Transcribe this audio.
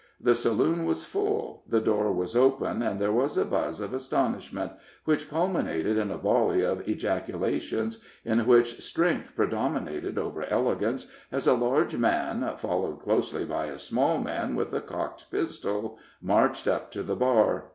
The saloon was full, the door was open, and there was a buzz of astonishment, which culminated in a volley of ejaculations, in which strength predominated over elegance, as a large man, followed closely by a small man with a cocked pistol, marched up to the bar.